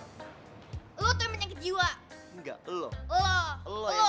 lo tuh yang penyakit jiwa